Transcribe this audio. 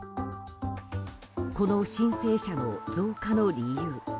この申請者の増加の理由。